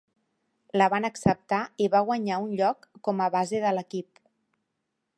La van acceptar i va guanyar un lloc com a base de l'equip.